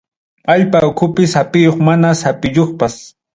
Allpa ukupi sapiyuq mana sapiyuqpas.